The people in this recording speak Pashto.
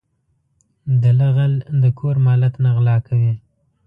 دله غل د کور مالت نه غلا کوي.